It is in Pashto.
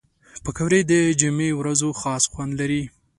پکورې د جمعې ورځو خاص خوند لري